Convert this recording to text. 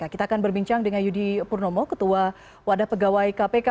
kita akan berbincang dengan yudi purnomo ketua wadah pegawai kpk